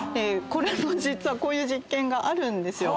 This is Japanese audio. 実はこういう実験があるんです。